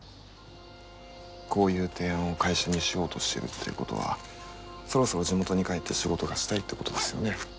こういう提案を会社にしようとしてるっていうことはそろそろ地元に帰って仕事がしたいってことですよね？